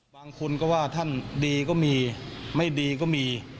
บางคนก็ว่าท่านดีก็มีไม่ดีก็มี